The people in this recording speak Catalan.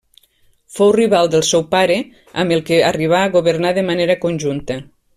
Fou rival del seu pare, amb el que arribà a governar de manera conjunta.